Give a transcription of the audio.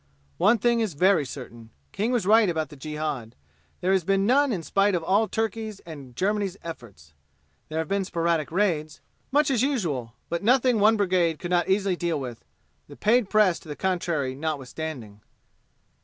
One thing is very certain. King was right about the jihad. There has been none in spite of all Turkey's and Germany's efforts. There have been sporadic raids, much as usual, but nothing one brigade could not easily deal with, the paid press to the contrary notwithstanding.